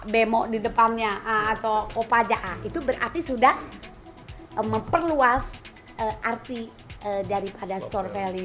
bemo di depannya atau kopaja a itu berarti sudah memperluas arti daripada store value